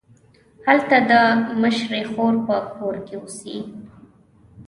هلته د مشرې خور په کور کې اوسي.